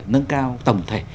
nâng cao tổng thể